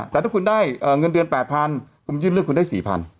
แต่ถ้าคุณได้เงินเดือน๘๐๐๐บาทก็มียื่นเรื่องคุณได้๔๐๐๐บาท